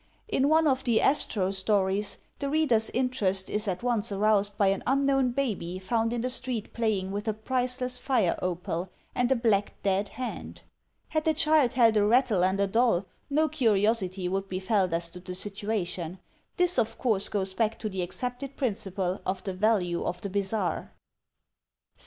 In one of the "Astro" stories, the reader's interest is at once aroused by an unknown baby found in the street playing with a priceless fire opal and a black dead hand. Had the child held a rattle and a doll no curiosity would be felt as to the situation. This, of course, goes back to the accepted principle of the value of the bizarre.